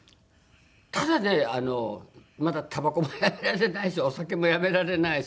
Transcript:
ただねあのまだたばこもやめられないしお酒もやめられないし。